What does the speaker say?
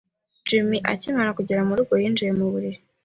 Jim akimara kugera murugo, yinjiye mu buriri.